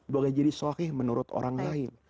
boleh jadi sohih menurut orang lain